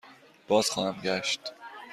بازخواهم گشت.